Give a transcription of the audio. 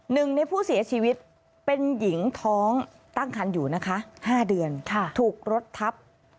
หนึ่งในผู้เสียชีวิตเป็นหญิงท้องตั้งคันอยู่นะคะ๕เดือนถูกรถทับ